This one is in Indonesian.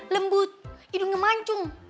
lembut hidungnya mancung